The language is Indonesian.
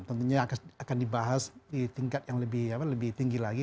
tentunya akan dibahas di tingkat yang lebih tinggi lagi